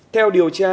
theo điều tra